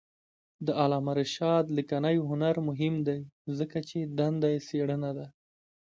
د علامه رشاد لیکنی هنر مهم دی ځکه چې دنده یې څېړنه ده.